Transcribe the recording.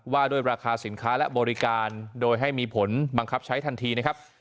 ว่าด้วยราคาสินค้าและบริการโดยให้มีผลบังคับใช้ทันทีนะครับ